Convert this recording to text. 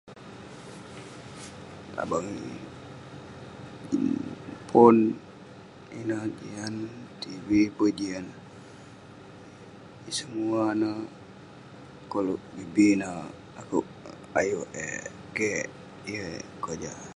gaban...jin...pon ineh jian..tv peh jian, semua neh koluk bi bin neh akouk ayuk eh, keh..yeng eh kojah..